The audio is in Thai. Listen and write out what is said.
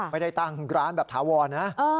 ไม่ได้ตั้งร้านแบบถาวรนะ